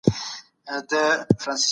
موږ بايد ورسره منډه کړو.